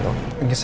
saya enggak suka